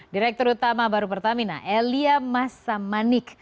direktur utama baru pertamina elia masamanik